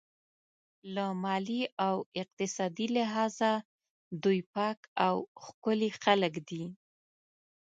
له مالي او اقتصادي لحاظه دوی پاک او ښکلي خلک دي.